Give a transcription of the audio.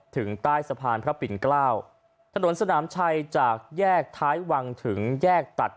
ถึงใต้สะพานพระปิ่นเกล้าถนนสนามชัยจากแยกท้ายวังถึงแยกตัด